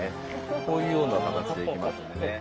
こういうような形で行きますんでね。